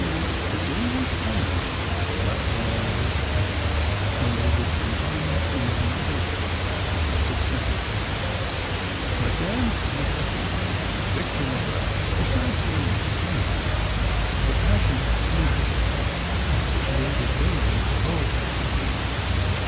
The day was coming, not so many years ahead, when they would combine in another play—a success. Madame's husband, Victor Maurel, besides being a singer, had a passion for painting, and persuaded Lillian to pose for him.